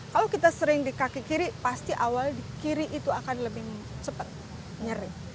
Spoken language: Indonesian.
kalau kita sering di kaki kiri pasti awal di kiri itu akan lebih cepat nyeri